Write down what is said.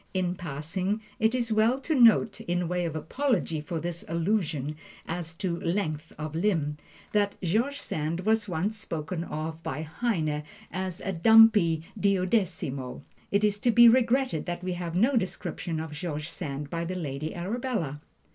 In passing, it is well to note, in way of apology for this allusion as to "length of limb," that George Sand was once spoken of by Heine as "a dumpy duodecimo." It is to be regretted that we have no description of George Sand by the Lady Arabella.